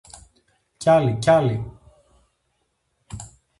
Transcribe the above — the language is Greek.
κι άλλοι κι άλλοι.